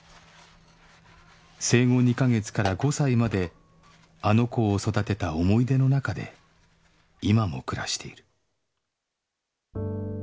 生後２カ月から５歳まで「あの子」を育てた思い出の中で今も暮らしている